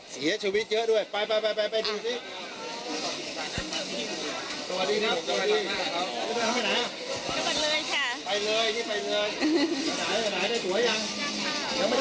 เสียชีวิตเยอะด้วยไปไปดูสิ